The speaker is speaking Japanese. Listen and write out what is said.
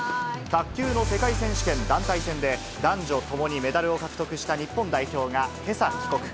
卓球の世界選手権団体戦で、男女ともにメダルを獲得した日本代表がけさ帰国。